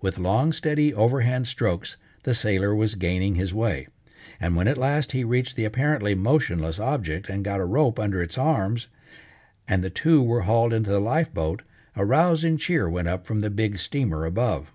With long, steady, overhand strokes, the sailor was gaining his way, and when at last he reached the apparently motionless object and got a rope under its arms, and the two were hauled into the life boat, a rousing cheer went up from the big steamer above.